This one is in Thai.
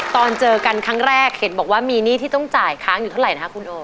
ตอนเจอกันครั้งแรกเห็นบอกว่ามีหนี้ที่ต้องจ่ายค้างอยู่เท่าไหร่นะคะคุณโอ